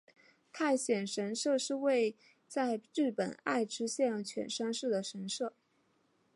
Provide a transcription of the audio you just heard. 大县神社是位在日本爱知县犬山市的神社。